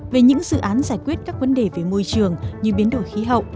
về những dự án giải quyết các vấn đề về môi trường như biến đổi khí hậu